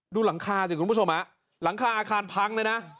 ดูหลังคาสิคุณผู้ชมหลังคาอาคารพังเลยนะ